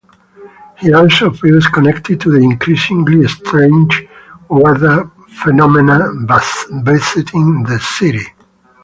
He also feels connected to the increasingly strange weather phenomena besetting the city.